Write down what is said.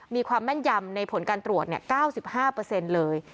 มีความแม่นยำในผลการตรวจ๙๕เลย